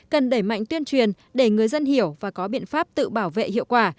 cần đẩy mạnh tuyên truyền để người dân hiểu và có biện pháp tự bảo vệ hiệu quả